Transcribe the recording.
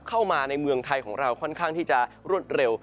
เข้ามาในเมืองไทยของเราค่อนข้างที่จะรวดเร็ว